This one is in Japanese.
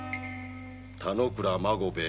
田之倉孫兵衛